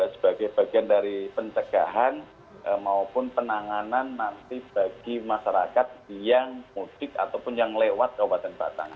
sebagai bagian dari pencegahan maupun penanganan nanti bagi masyarakat yang mudik ataupun yang lewat kabupaten batang